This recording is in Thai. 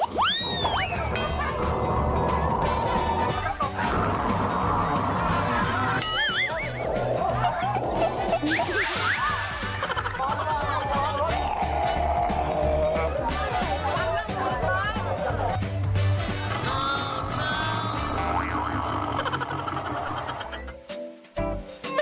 สวัสดีครับ